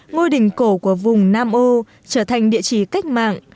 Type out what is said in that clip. ngôi đình cổ của vùng nam ô trở thành địa chỉ cách mạng